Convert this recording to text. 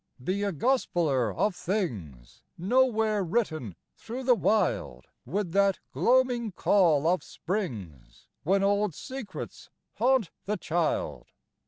"Be a gospeller of things Nowhere written through the wild, With that gloaming call of Spring's, When old secrets haunt the child.